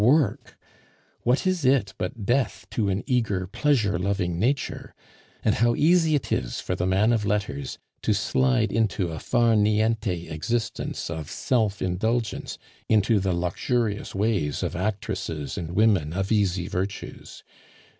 Work! What is it but death to an eager pleasure loving nature? And how easy it is for the man of letters to slide into a far niente existence of self indulgence, into the luxurious ways of actresses and women of easy virtues!